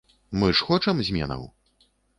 Мы ж хочам зменаў?